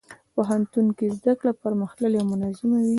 پوهنتون کې زدهکړه پرمختللې او منظمه وي.